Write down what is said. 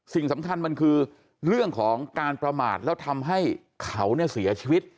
สิ่งสำคัญมันคือเรื่องของการประมาทแล้วทำให้เขาเนี่ยเสียชีวิต